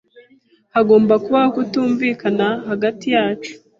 Hagomba kubaho kutumvikana hagati yacu